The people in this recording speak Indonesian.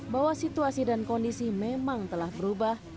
bahwa situasi dan kondisi memang telah berubah